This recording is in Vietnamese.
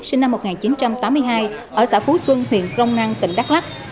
sinh năm một nghìn chín trăm tám mươi hai ở xã phú xuân huyện rông năng tỉnh đắk lắk